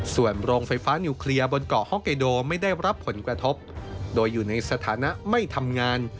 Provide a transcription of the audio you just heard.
ส่วนโรงไฟฟ้านิวเคลียร์บนเกาะฮอกเกโดไม่ได้รับผลกระทบโดยอยู่ในสถานะไม่ทำงาน